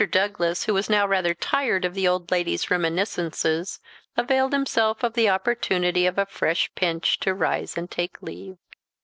Douglas, who was now rather tired of the old lady's reminiscences, availed himself of the opportunity of a fresh pinch to rise and take leave.